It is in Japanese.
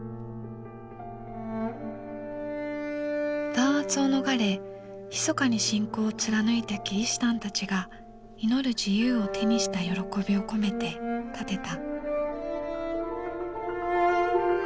弾圧を逃れひそかに信仰を貫いたキリシタンたちが祈る自由を手にした喜びを込めて建てた。